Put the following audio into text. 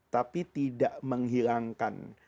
tapi tidak menghilangkan